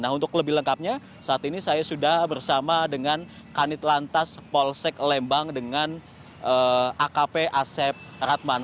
nah untuk lebih lengkapnya saat ini saya sudah bersama dengan kanit lantas polsek lembang dengan akp asep ratman